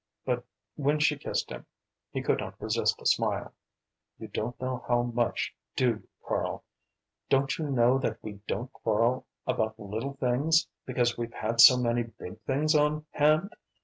But when she kissed him, he could not resist a smile. "You don't know much, do you, Karl? Don't you know that we don't quarrel about little things, because we've had so many big things on hand?